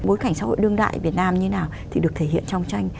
bối cảnh xã hội đương đại việt nam như nào thì được thể hiện trong tranh